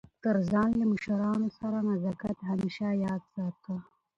تر ځان له مشرانو سره نزاکت همېشه یاد ساته!